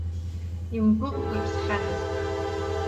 Имгәыӷкәа иԥсхьадаз.